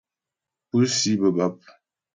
Púsi bə́ bap.